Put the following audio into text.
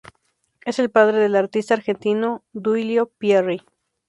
Es el padre del artista argentino Duilio Pierri.